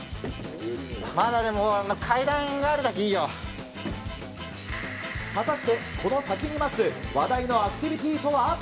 まだでも階段があるだけいい果たして、この先に待つ話題のアクティビティーとは？